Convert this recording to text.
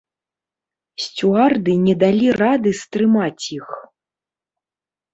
Сцюарды не далі рады стрымаць іх.